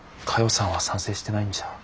さんは賛成してないんじゃ。